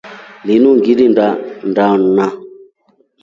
Linu ngilinda mndana.